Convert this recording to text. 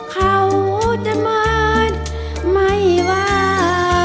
เขาจะหมดไม่ว่า